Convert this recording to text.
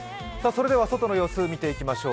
外の様子、見ていきましょう。